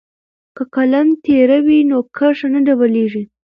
که قلم تیره وي نو کرښه نه ډبلیږي.